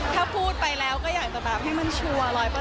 ถ้าพูดไปแล้วก็อยากจะแบบให้มันชัวร์๑๐๐